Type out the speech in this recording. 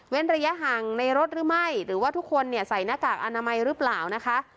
เว้นระยะหังในรถหรือไม่หรือว่าทุกคนนี่ใส่นาฬักษณ์อนามัยหรือเปล่านะคะ